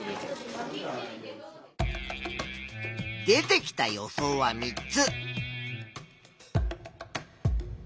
出てきた予想は３つ。